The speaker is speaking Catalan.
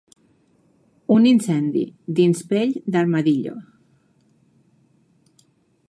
«Un incendi» dins Pell d'armadillo.